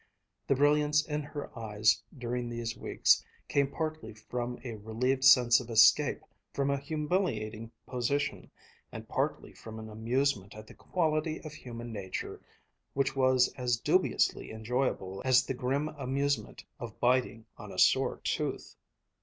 The brilliance in her eyes during these weeks came partly from a relieved sense of escape from a humiliating position, and partly from an amusement at the quality of human nature which was as dubiously enjoyable as the grim amusement of biting on a sore tooth.